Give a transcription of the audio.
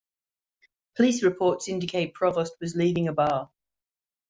Police reports indicate Provost was leaving a bar.